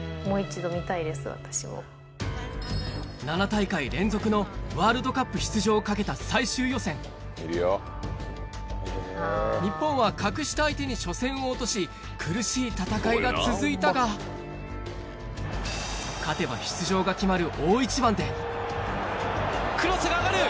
７大会連続のワールドカップ出場を懸けた日本は格下相手に初戦を落とし苦しい戦いが続いたが勝てば出場が決まる大一番でクロスが上がる！